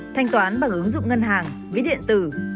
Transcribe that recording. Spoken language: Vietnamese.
thanh toán bằng ứng dụng ngân hàng ví điện tử